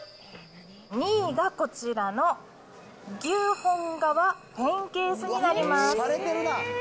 ２位がこちらの牛本革ペンケースになります。